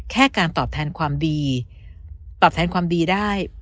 แค่การตอบแทนความดีตอบแทนความดีได้